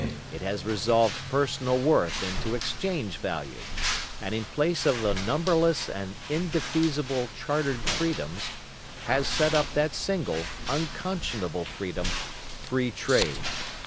It has resolved personal worth into exchange value, and in place of the numberless and indefeasible chartered freedoms, has set up that single, unconscionable freedom—Free Trade.